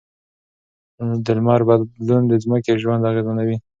د لمر بدلون د ځمکې ژوند اغېزمنوي.